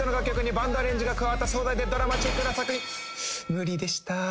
無理でした。